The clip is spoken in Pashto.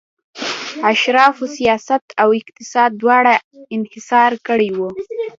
اشرافو سیاست او اقتصاد دواړه انحصار کړي وو.